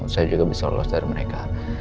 saya juga bisa lolos dari mereka